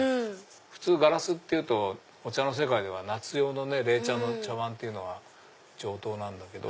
普通ガラスっていうとお茶の世界では夏用の冷茶の茶わんっていうのは常とうなんだけど。